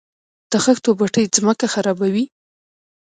د خښتو بټۍ ځمکه خرابوي؟